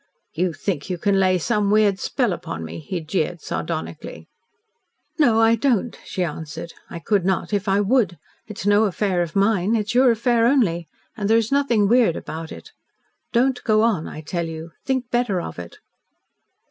"You think you can lay some weird spell upon me," he jeered sardonically. "No, I don't," she answered. "I could not if I would. It is no affair of mine. It is your affair only and there is nothing weird about it. Don't go on, I tell you. Think better of it."